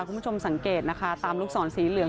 คุณผู้ชมสังเกตนะคะตามลูกศรสีเหลือง